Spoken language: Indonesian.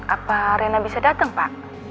apa rena bisa datang pak